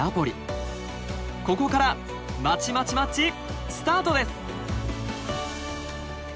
ここからまちまちマッチスタートです！